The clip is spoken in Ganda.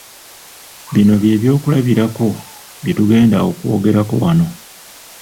Bino bye by'okulabirako bye tugenda okwogerako wano.